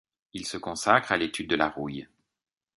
Il se consacre à l’étude de la rouille.